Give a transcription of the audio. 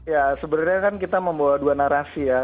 ya sebenarnya kan kita membawa dua narasi ya